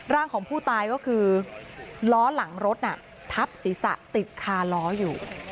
ร่างของผู้ตายก็คือล้อหลังรถน่ะทับศีรษะติดคาล้ออยู่